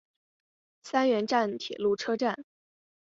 三原站铁路车站。